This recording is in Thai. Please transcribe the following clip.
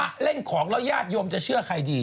เล่นของแล้วญาติโยมจะเชื่อใครดี